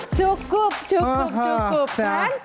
cukup cukup cukup kan